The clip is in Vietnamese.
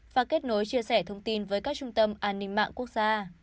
và kết nối chia sẻ thông tin với các trung tâm an ninh mạng quốc gia